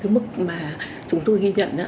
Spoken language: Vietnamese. mức mà chúng tôi ghi nhận